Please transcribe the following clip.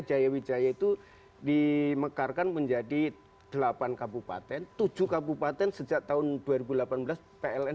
jaya wijaya itu dimekarkan menjadi delapan kabupaten tujuh kabupaten sejak tahun dua ribu delapan belas pln